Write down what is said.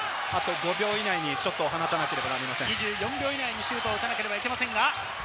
５秒以内にシュートを放たなければいけません。